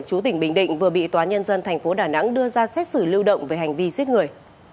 chú tỉnh bình định vừa bị tòa nhân dân tp đà nẵng đưa ra xét xử lưu động về hành vi giết người